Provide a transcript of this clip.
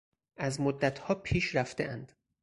از مدتها پیش رفتهاند.